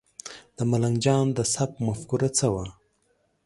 د ملنګ جان د سبک مفکوره څه وه؟